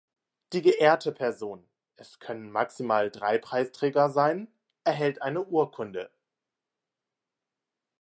Die geehrte Person (es können maximal drei Preisträger sein) erhält eine Urkunde.